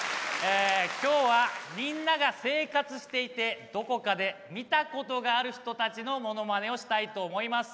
今日はみんなが生活していてどこかで見たことがある人たちのモノマネをしたいと思います。